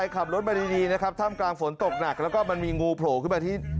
คิทการ์จเลย